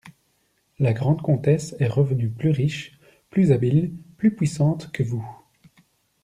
La grande comtesse est revenue, plus riche, plus habile, plus puissante que vous.